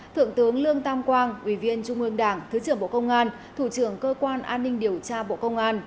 thượng tướng lương tam quang ủy viên trung ương đảng thứ trưởng bộ công an thủ trưởng cơ quan an ninh điều tra bộ công an